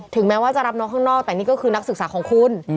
แม้ว่าจะรับน้องข้างนอกแต่นี่ก็คือนักศึกษาของคุณ